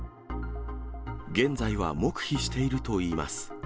現在は黙秘しているといいます。